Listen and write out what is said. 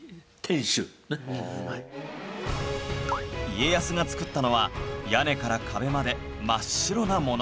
家康が造ったのは屋根から壁まで真っ白なもの